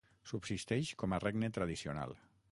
Subsisteix com a regne tradicional.